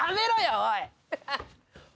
おい。